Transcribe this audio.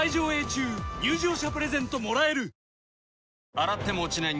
洗っても落ちない